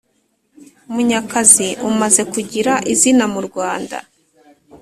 Munyakazi umaze kugira izina mu Rwanda